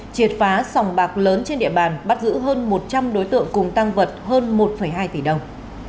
triệt phá sòng bạc lớn trên địa bàn bắt giữ hơn một trăm linh đối tượng cùng tăng vật hơn một hai tỷ đồng